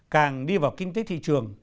càng đi vào kinh tế thị trường